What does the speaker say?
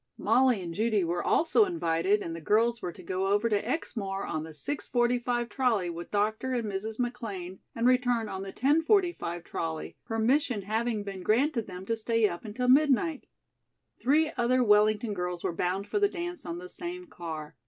Molly and Judy were also invited and the girls were to go over to Exmoor on the 6.45 trolley with Dr. and Mrs. McLean and return on the 10.45 trolley, permission having been granted them to stay up until midnight. Three other Wellington girls were bound for the dance on the same car.